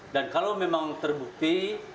dan kalau memang terbukti